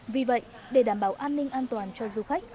vì vậy để đảm bảo an ninh an toàn cho du khách